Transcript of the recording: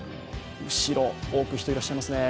後ろ、多く人がいらっしゃいますね